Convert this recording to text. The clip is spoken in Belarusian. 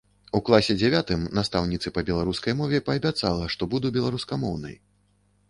У класе дзявятым настаўніцы па беларускай мове паабяцала, што буду беларускамоўнай.